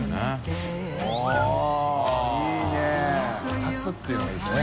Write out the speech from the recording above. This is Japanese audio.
２つっていうのがいいですね。